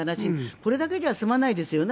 これだけじゃ済まないですよね。